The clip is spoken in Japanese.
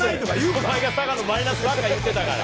お前が佐賀のマイナスばっかり言ってたから。